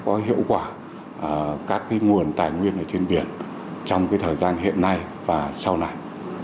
có hiệu quả các nguồn tài nguyên ở trên biển trong thời gian hiện nay và sau này